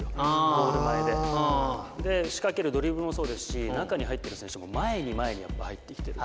仕掛けるドリブルもそうですし中に入ってる選手も前に前にやっぱ入ってきてる。